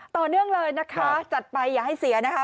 ต่อเนื่องเลยนะคะจัดไปอย่าให้เสียนะคะ